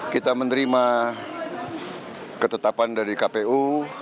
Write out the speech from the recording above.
kita menerima ketetapan dari kpu